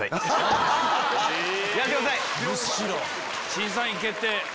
審査委員長決定！